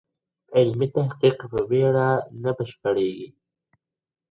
علمي تحقیق په بیړه نه بشپړیږي.